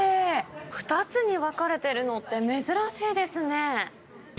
２つに分かれているのって、珍しいですね。